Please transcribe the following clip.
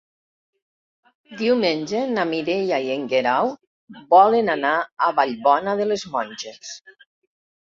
Diumenge na Mireia i en Guerau volen anar a Vallbona de les Monges.